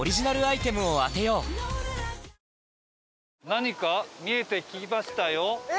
何か見えてきましたよ。